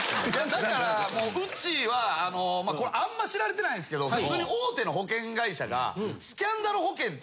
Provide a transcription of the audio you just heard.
だからもううちはこれあんま知られてないんですけど普通に大手の保険会社が。